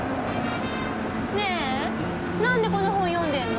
ねえ何でこの本読んでるの？